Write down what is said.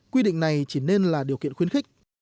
quy định này chỉ nên là điều kiện khuyến khích